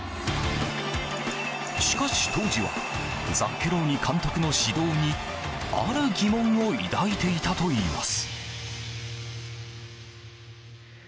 しかし、当時はザッケローニ監督の指導にある疑問を抱いていたといいます。